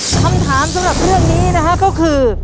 คำถามสำหรับเรื่องนี้นะฮะก็คือ